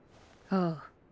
ああ。